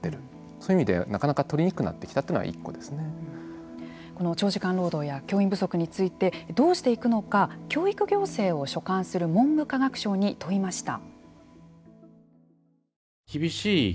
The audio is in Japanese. そういう意味でなかなか取りにくくなったきたというのがこの長時間労働や教員不足についてどうしていくのか教育行政を所管する文部科学省に問いました。